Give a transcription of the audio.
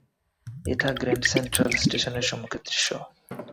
এটা grand central স্টেশনের সম্মুখের দৃশ্য!